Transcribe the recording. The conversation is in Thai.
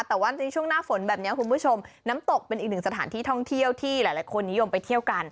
แต่ว่าในช่วงหน้าฝนแบบนี้คุณผู้ชมน้ำตกเป็นอีกหนึ่งสถานที่ท่องเที่ยวที่หลายคนนิยมไปเที่ยวกัน